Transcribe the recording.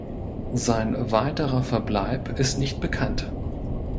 Sein weiterer Verbleib ist nicht bekannt.